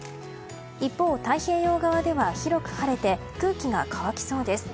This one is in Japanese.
一方、太平洋側では広く晴れて空気が乾きそうです。